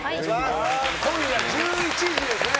今夜１１時ですね。